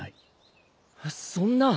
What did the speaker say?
そんな。